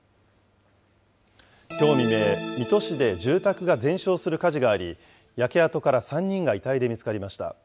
きょう未明、水戸市で住宅が全焼する火事があり、焼け跡から３人が遺体で見つかりました。